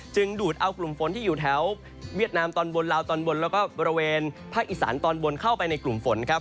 ดูดเอากลุ่มฝนที่อยู่แถวเวียดนามตอนบนลาวตอนบนแล้วก็บริเวณภาคอีสานตอนบนเข้าไปในกลุ่มฝนครับ